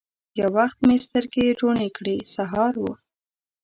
یو وخت مې سترګي روڼې کړې ! سهار و